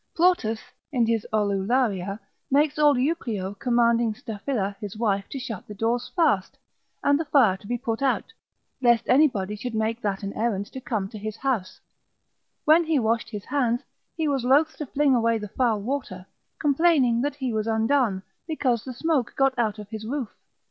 Plautus, in his Aulularia, makes old Euclio commanding Staphyla his wife to shut the doors fast, and the fire to be put out, lest anybody should make that an errand to come to his house: when he washed his hands, he was loath to fling away the foul water, complaining that he was undone, because the smoke got out of his roof.